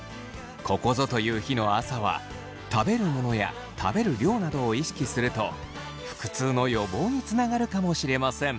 ここぞという日の朝は食べるものや食べる量などを意識すると腹痛の予防につながるかもしれません。